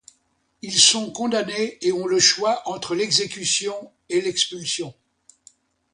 Ils sont condamnés et ont le choix entre l'exécution et l'expulsion.